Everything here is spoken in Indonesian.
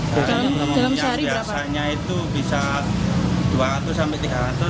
dari yang biasanya itu bisa dua ratus sampai tiga ratus